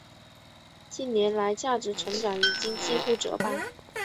近年来价值成长已经几乎折半。